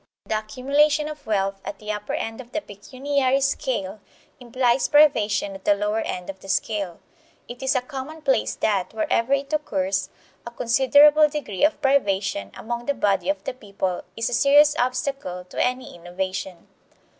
The accumulation of wealth at the upper end of the pecuniary scale implies privation at the lower end of the scale. It is a commonplace that, wherever it occurs, a considerable degree of privation among the body of the people is a serious obstacle to any innovation.